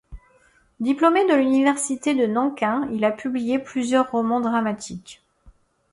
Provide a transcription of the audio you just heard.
Diplômé de l'université de Nankin, il a publié plusieurs romans dramatiques.